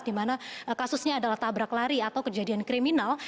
di mana kasusnya adalah tabrak lari atau kejadian kriminal